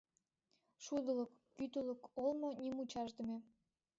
Шудылык, кӱтӱлык олмо — нимучашдыме.